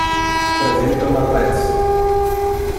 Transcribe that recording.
Presenta merlets.